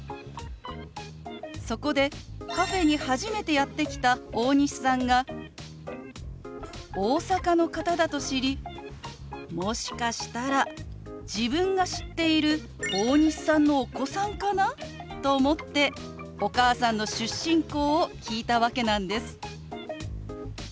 そこでカフェに初めてやって来た大西さんが大阪の方だと知りもしかしたら自分が知っている大西さんのお子さんかなと思ってお母さんの出身校を聞いたわけなんです。